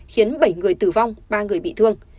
khiến bảy người tử vong ba người bị thương